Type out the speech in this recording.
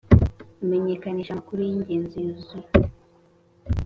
Imenyekanisha amakuru y ingenzi yuzuye